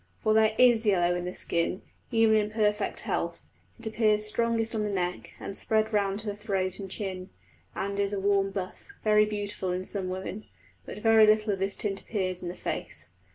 For there is yellow in the skin, even in perfect health; it appears strongest on the neck, and spread round to the throat and chin, and is a warm buff, very beautiful in some women; but very little of this tint appears in the face.